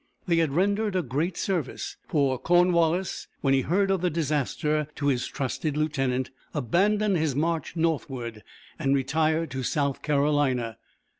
They had rendered a great service; for Cornwallis, when he heard of the disaster to his trusted lieutenant, abandoned his march northward, and retired to South Carolina.